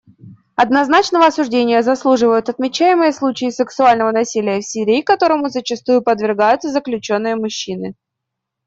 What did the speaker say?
Однозначного осуждения заслуживают отмечаемые случаи сексуального насилия в Сирии, которому зачастую подвергаются заключенные-мужчины.